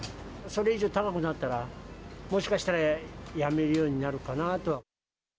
それ以上高くなったら、もしかしたらやめるようになるかなと。